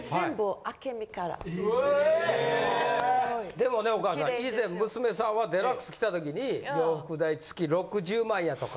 でもねお母さん以前娘さんは『ＤＸ』来た時に洋服代月６０万やとか。